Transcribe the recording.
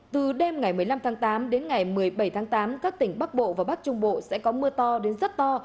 từ đêm ngày một mươi năm tháng tám đến ngày một mươi bảy tháng tám các tỉnh bắc bộ và bắc trung bộ sẽ có mưa to đến rất to